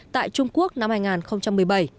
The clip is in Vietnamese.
tại trung quốc năm hai nghìn một mươi bảy